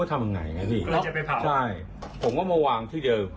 ผมก็มาวางที่เดิม